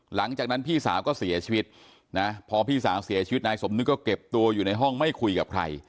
หลังจากนั้นพี่สาวก็เสียชีวิตนะพอพี่สาวเสียชีวิตนายสมนึกก็เก็บตัวอยู่ในห้องไม่คุยกับใคร